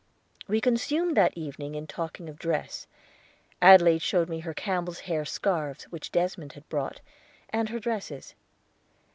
We consumed that evening in talking of dress. Adelaide showed me her camel's hair scarfs which Desmond had brought, and her dresses.